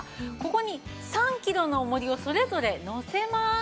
ここに３キロの重りをそれぞれのせます。